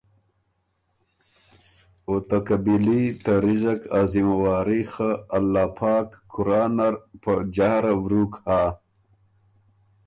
او ته قبیلي ته رِزق ا ذمواري خه الله قرآن نر په جهره ورُوک هۀ۔